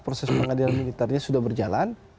proses pengadilan militernya sudah berjalan